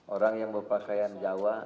orang yang berpakaian jawa